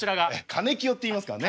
かねきよっていいますからね。